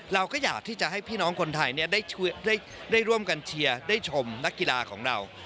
เราก็อยากที่จะให้พี่น้องคนไทยได้ร่วมกันเชียร์ได้ชมนักกีฬาของเรา